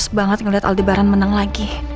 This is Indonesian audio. gue males banget ngeliat aldebaran menang lagi